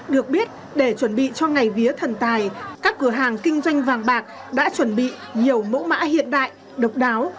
được biết để chuẩn bị cho ngày vía thần tài các cửa hàng kinh doanh vàng bạc đã chuẩn bị nhiều mẫu mã hiện đại độc đáo